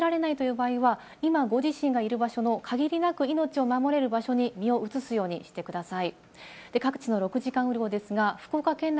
ただもし、もう逃げられないという場合は、今ご自身がいる場所の限りなく命を守れる場所に身を移すようにしてください。